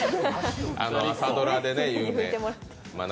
朝ドラで有名。